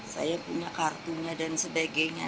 saya punya kartunya dan sebagainya